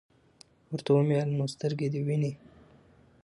ورته ومي ویل : نو سترګي دي وینې ؟